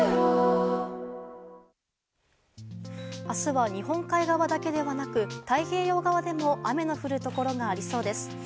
明日は日本海側だけではなく太平洋側でも雨の降るところがありそうです。